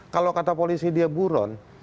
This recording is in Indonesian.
kalau kata polisi dia buron